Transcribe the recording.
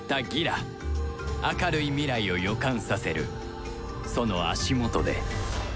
明るい未来を予感させるその足元で